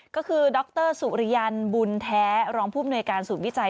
ก็คือดรสุริยันบุญแท้รองผู้มนวยการศูนย์วิจัย